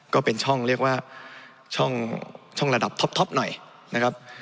ก็เป็นช่องเรียกว่าช่องระดับท็อปหน่อยนะครับ